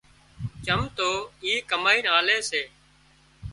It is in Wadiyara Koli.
چم تواِي ڪمائينَ آلي سي